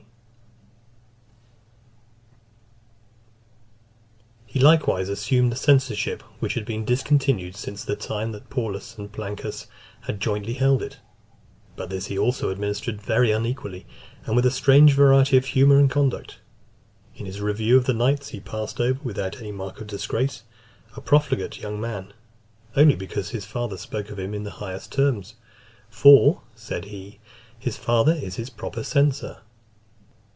XVI. He likewise assumed the censorship , which had been discontinued since the time that Paulus and Plancus had jointly held it. But this also he administered very unequally, and with a strange variety of humour and conduct. In his review of the knights, he passed over, without any mark of disgrace, a profligate young man, only because his father spoke of him in the highest terms; "for," said he, "his father is his proper censor."